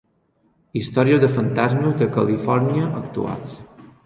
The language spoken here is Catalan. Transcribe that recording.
Històries de fantasmes de Califòrnia actuals.